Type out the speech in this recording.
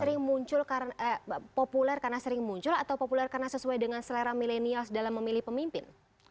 sering muncul populer karena sering muncul atau populer karena sesuai dengan selera milenial dalam memilih pemimpin